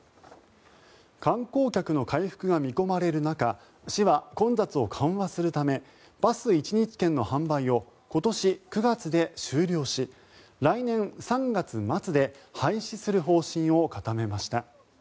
観光客の回復が見込まれる中市は混雑を緩和するためバス一日券の販売を今年９月で終了し来年３月末で廃止する方針を固めました。